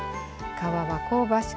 皮は香ばしく